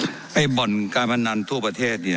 เจ้าหน้าที่ของรัฐมันก็เป็นผู้ใต้มิชชาท่านนมตรี